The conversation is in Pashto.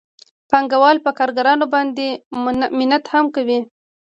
پانګوال په کارګرانو باندې منت هم کوي